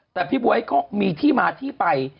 แต่พี่บ๊วยก็มีที่มาที่ไป